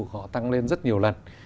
họ tăng lên rất nhiều lần